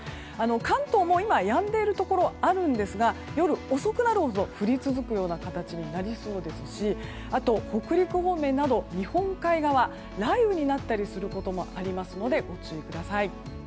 関東も、今はやんでいるところがあるんですが夜遅くなるほど降り続くような形になりそうであと、北陸方面など日本海側雷雨になったりすることもありますので、ご注意ください。